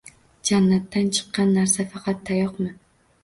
Jannatdan chiqqan narsa faqat tayoqmi?